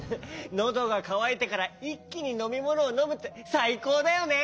のどがかわいてからいっきにのみものをのむってさいこうだよね！